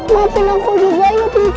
maafin aku juga yang aku cucu